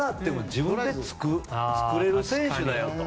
自分で作れる選手だよと。